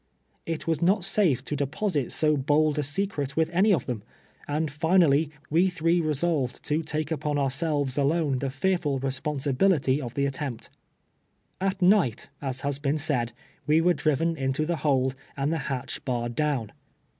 It was not safe to deposit so hold a secret with any of them, and Unally we three resolved to take upon ourselves alone the fearful responsibility of tlie attempt. At night, as has been said, we were driven into tho hold, and the hatch barred down.